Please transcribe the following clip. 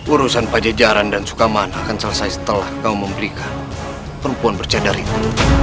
urusan pajajaran dan sukaman akan selesai setelah kau memberikan perempuan bercadar itu